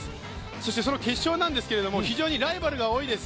そして、その決勝ですが、非常にライバルが多いです。